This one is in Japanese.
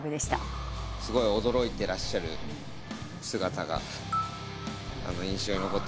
すごい驚いてらっしゃる姿が印象に残ってて。